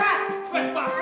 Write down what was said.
nggak ada pak